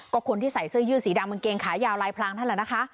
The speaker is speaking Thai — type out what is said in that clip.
ก็คนที่ใส่เสื้อยืดสีดำกางเกงขายาวลายพรางนั่นแหละนะคะ